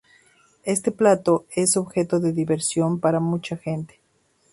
Este plato es objeto de diversión para mucha gente.